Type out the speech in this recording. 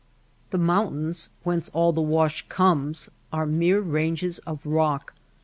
The mountains whence all the wash comes, are mere ranges of rock.